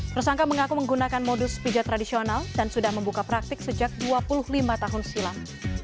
tersangka mengaku menggunakan modus pijat tradisional dan sudah membuka praktik sejak dua puluh lima tahun silam